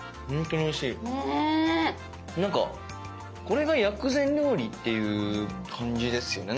なんかこれが薬膳料理？っていう感じですよね。